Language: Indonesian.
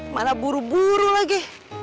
mana buru buru lagi